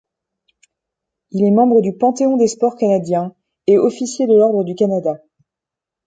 Il est membre du Panthéon des sports canadiens et officier de l'ordre du Canada.